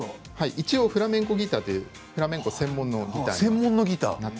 一応フラメンコギターといってフラメンコ専門のギターです。